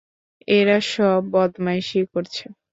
এরা সব বদমাইশি করছে।